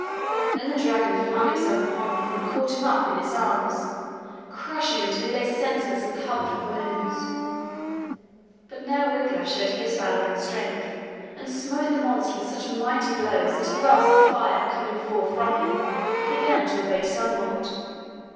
Then the dragon flung himself upon him and caught him up in his arms, crushing him till he lay senseless and covered with wounds. But now Wiglaf showed his valor and strength, and smote the monster with such mighty blows that at last the fire coming forth from him began to abate somewhat.